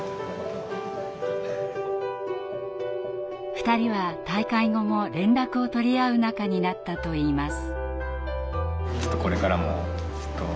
２人は大会後も連絡を取り合う仲になったといいます。